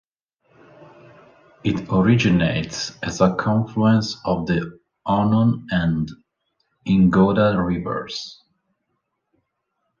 It originates as a confluence of the Onon and Ingoda rivers.